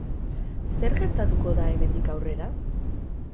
Zer gertatuko da hemendik aurrera?